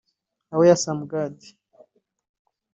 ‘Awasome God’